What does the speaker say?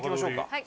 はい。